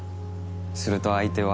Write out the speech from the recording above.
すると相手は。